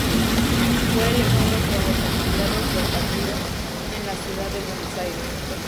Fue elegido por los afiliados del partido en la Ciudad de Buenos Aires.